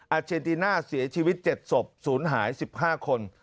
อาเจนติน่าเสียชีวิต๗ศพศูนย์หาย๑๕คน